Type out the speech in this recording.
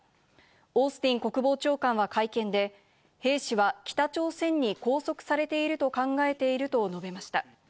オースティン国防長官は会見で兵士は北朝鮮に拘束されていると考えていると述べました。